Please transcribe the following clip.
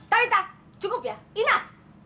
lalita cukup ya enough